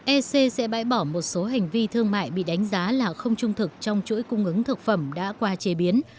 ec sẽ bãi bỏ một số hành vi thương mại bị đánh giá là không trung thực trong chuỗi cung ứng thực phẩm đã qua chế biến